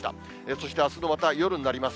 そしてあすのまた夜になります。